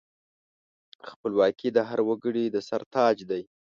خپلواکي د هر وګړي د سر تاج دی.